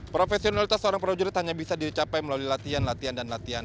profesionalitas seorang prajurit hanya bisa dicapai melalui latihan latihan dan latihan